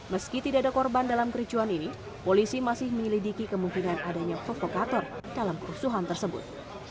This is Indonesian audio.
meski tidak ada korban dalam kericuan ini polisi masih menyelidiki kemungkinan adanya provokator dalam kerusuhan tersebut